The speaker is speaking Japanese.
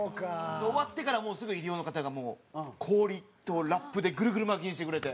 で終わってからもうすぐ医療の方が氷とラップでぐるぐる巻きにしてくれて。